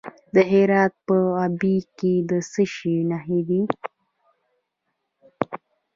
د هرات په اوبې کې د څه شي نښې دي؟